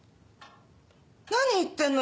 何言ってんの。